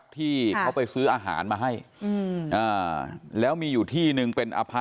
ที่เขาไปซื้ออาหารมาให้แล้วมีอยู่ที่หนึ่งเป็นอพาร์